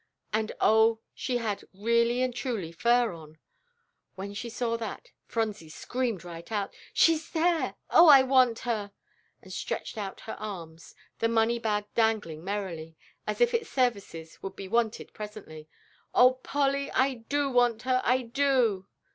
And oh, she had really and truly fur on! When she saw that, Phronsie screamed right out: "She's there. Oh, I want her!" and stretched out her arms, the money bag dangling merrily, as if its services would be wanted presently. "Oh, Polly, I want her, I do!"